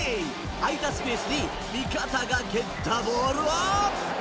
空いたスペースに味方が蹴ったボールを。